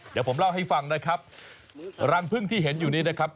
เดี๋ยวผมเล่าให้ฟังนะครับรังพึ่งที่เห็นอยู่นี้นะครับ